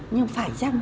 nhưng phải chăng